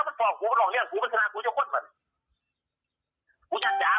มึงก็ไปลองแก้เกียวอยากมึงถือจับ